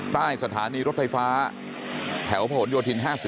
ใต้สถานีรถไฟฟ้าแถวผนโยธิน๕๐